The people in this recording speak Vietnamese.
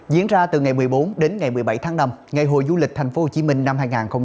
diễn ra từ ngày một mươi bốn đến ngày một mươi bảy tháng năm ngày hội du lịch thành phố hồ chí minh năm hai nghìn hai mươi hai